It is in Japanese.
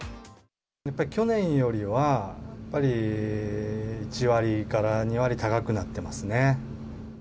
やっぱり去年よりは、やっぱり１割から２割高くなってますね。